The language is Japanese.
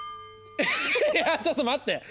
えっいやちょっと待って！